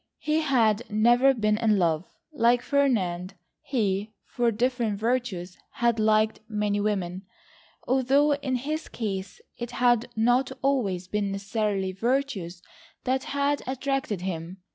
He had never been in love. Like Ferdinand he, "for different virtues had liked many women," although in his case it had not always been necessarily virtues that had attracted him.